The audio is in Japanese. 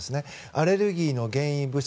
アレルギーの原因物質